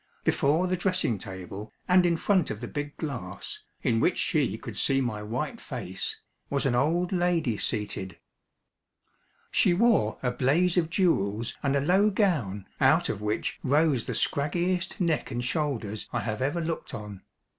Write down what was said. Before the dressing table, and in front of the big glass, in which she could see my white face, was an old lady seated. She wore a blaze of jewels and a low gown out of which rose the scraggiest neck and shoulders I have ever looked on.